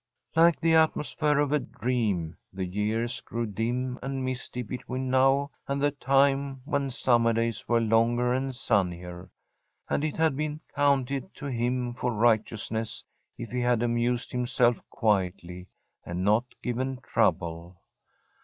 Like the atmosphere of a dream, the years grew dim and misty between now and the time when summer days were longer and sunnier, and it had been counted to him for righteousness if he had amused himself quietly and not given trouble.